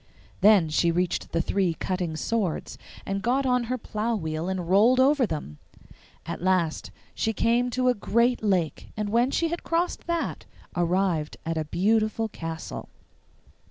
Then she reached the three cutting swords, and got on her plough wheel and rolled over them. At last she came to a great lake, and, when she had crossed that, arrived at a beautiful castle.